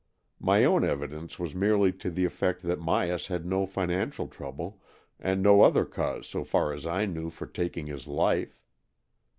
My own evidence was merely to the effect that Myas had no financial trouble, and no other cause so far as I knew for taking his life.